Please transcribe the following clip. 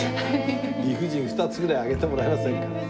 理不尽２つぐらい挙げてもらえませんか？